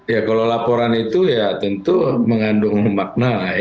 ya kalau laporan itu ya tentu mengandung makna ya